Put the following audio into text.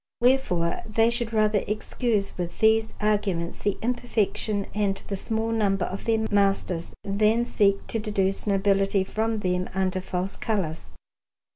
Wherefore they should rather excuse with these arguments the imperfection and the small number of their masters, than seek to deduce nobility from them under false colours.